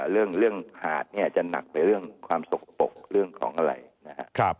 เรื่องหาดเนี่ยจะหนักไปเรื่องความสกปรกเรื่องของอะไรนะครับ